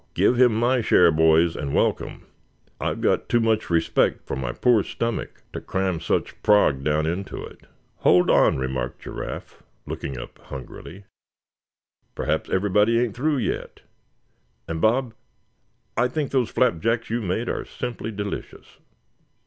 Give him my share, boys, and welcome. I've got too much respect for my poor stomach to cram such prog down into it." "Hold on," remarked Giraffe, looking up, hungrily; "perhaps everybody ain't through yet; and Bob, I think those flapjacks you made are simply delicious."